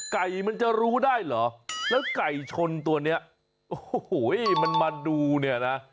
ไก่มันจะรู้ได้เหรอแล้วไก่ชนตัวเนี้ยโอ้โหมันมาดูเนี่ยนะ